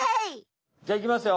じゃあいきますよ！